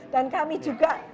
dan kami juga